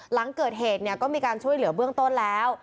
หลังเกิดเหตุก็มีการช่วยเหลือเบื้องต้นแล้ว